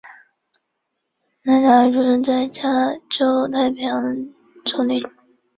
教堂边的修道院今天是法国军医博物馆。